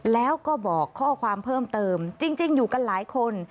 แล้วก็บอกข้อความเพิ่มเติมจริงอยู่กันหลายคน